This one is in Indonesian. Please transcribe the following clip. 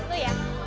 terima kasih pak